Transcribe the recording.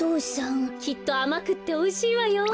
きっとあまくっておいしいわよ。